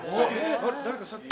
あ誰かさっき。